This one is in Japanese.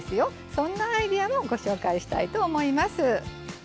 そんなアイデアもご紹介したいと思います。